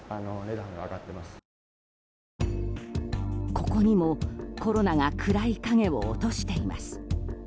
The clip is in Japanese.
ここにも、コロナが暗い影を落としています。